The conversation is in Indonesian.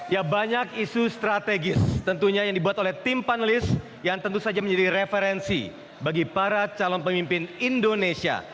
ya banyak isu strategis tentunya yang dibuat oleh tim panelis yang tentu saja menjadi referensi bagi para calon pemimpin indonesia